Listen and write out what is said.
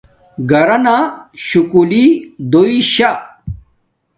گَرَنݳ شُکُلݵ دݸئی شݳ.